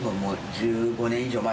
１５年以上前？